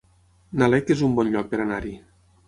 Nalec es un bon lloc per anar-hi